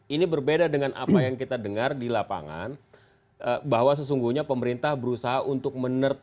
ini berbeda dengan apa yang kita dengar di lapangan bahwa sesungguhnya pemerintah berusaha untuk menertikan